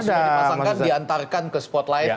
tidak masuk tidak dipasangkan diantarkan ke spotlight